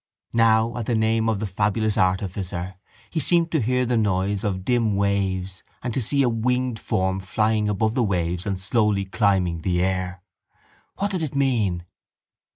Now, at the name of the fabulous artificer, he seemed to hear the noise of dim waves and to see a winged form flying above the waves and slowly climbing the air. What did it mean?